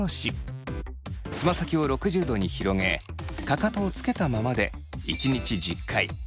つま先を６０度に広げかかとをつけたままで１日１０回。